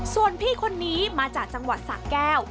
ส่วนพี่คนนี้มาจากจังหวัดสะแก้ว